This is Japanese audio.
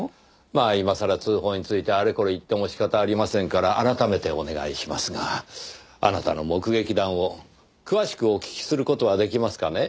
まあ今さら通報についてあれこれ言っても仕方ありませんから改めてお願いしますがあなたの目撃談を詳しくお聞きする事は出来ますかね？